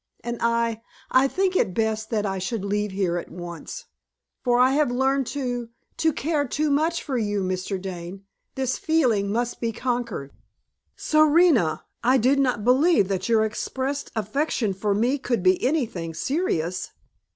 And I I think it best that I should leave here at once; for I have learned to to care too much for you, Mr. Dane. This feeling must be conquered." "Serena, I did not believe that your expressed affection for me could be anything serious."